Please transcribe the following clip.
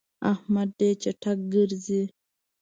احمد ډېر چټ ګرځي.